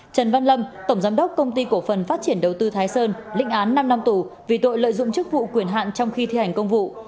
trần văn lâm tổng giám đốc công ty cổ phần phát triển đầu tư thái sơn linh án năm năm tù vì tội lợi dụng chức vụ quyền hạn trong khi thi hành công vụ